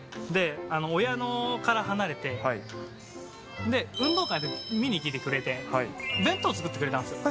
親から離れて、で、運動会のとき、見に来てくれて、弁当を作ってくれたんですよ。